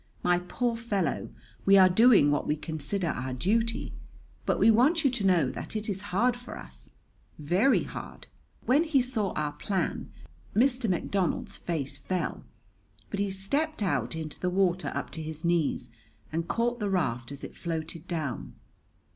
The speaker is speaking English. "My poor fellow, we are doing what we consider our duty; but we want you to know that it is hard for us very hard." When he saw our plan, Mr. McDonald's face fell; but he stepped out into the water up to his knees and caught the raft as it floated down.